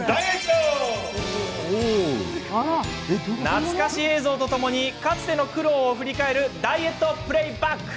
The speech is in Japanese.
懐かし映像とともにかつての苦労を振り返るダイエットプレーバック。